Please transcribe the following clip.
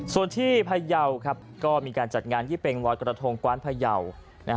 ส่วนที่พยาวครับก็มีการจัดงานยี่เป็งลอยกระทงกว้านพยาวนะฮะ